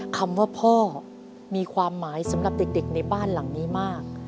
คำว่าพ่อมีความหมายสำหรับเด็กในบ้านหลังนี้มาก